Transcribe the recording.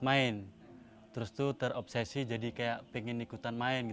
saya ingin ikut main terus terobsesi jadi pengen ikutan main